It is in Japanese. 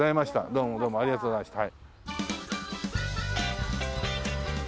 どうもどうもありがとうございました。